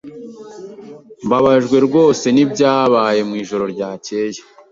Mbabajwe rwose nibyabaye mwijoro ryakeye.